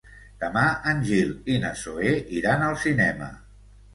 Demà en Gil i na Zoè iran al cinema.